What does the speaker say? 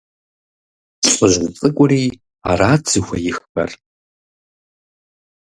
ЛӀыжь цӀыкӀури арат зыхуеиххэр.